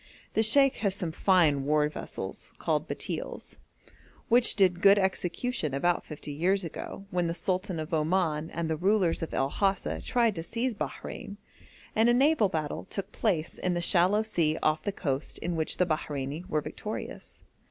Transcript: The sheikh has some fine war vessels, called batils, which did good execution about fifty years ago, when the Sultan of Oman and the rulers of El Hasa tried to seize Bahrein, and a naval battle took place in the shallow sea off the coast in which the Bahreini were victorious.